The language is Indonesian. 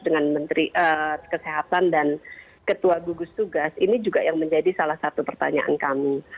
dengan menteri kesehatan dan ketua gugus tugas ini juga yang menjadi salah satu pertanyaan kami